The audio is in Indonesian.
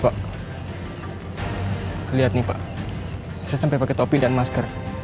pak lihat nih pak saya sampai pakai topi dan masker